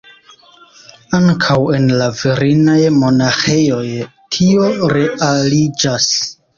Ankaŭ en la virinaj monaĥejoj tio realiĝas.